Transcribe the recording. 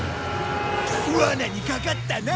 罠にかかったな！